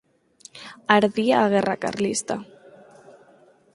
Ardía a guerra carlista.